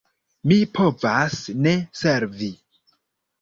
Mi povas ne servi.